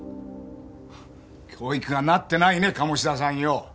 教育がなってないね鴨志田さんよ。